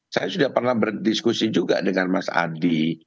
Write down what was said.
saya sudah pernah berdiskusi juga dengan mas adi